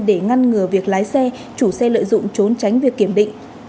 để ngăn ngừa việc lái xe chủ xe lợi dụng trốn tránh việc kiểm định